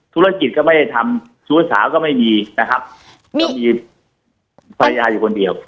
ธุรกิจก็ไม่ได้ทำชุดสาวก็ไม่มีนะครับมีมีคนเดียว